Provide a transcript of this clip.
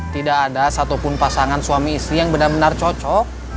tidak ada satupun pasangan suami istri yang benar benar cocok